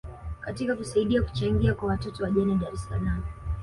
katika kusaidia kuchangia kwa watoto wajane dar es Salaam